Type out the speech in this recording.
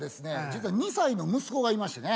実は２歳の息子がいましてね。